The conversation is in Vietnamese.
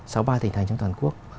sau ba thành thành trong toàn quốc